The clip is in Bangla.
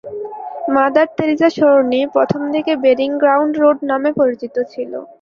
মাদার টেরিজা সরণি প্রথমদিকে বেরিং গ্রাউন্ড রোড নামে পরিচিত ছিল।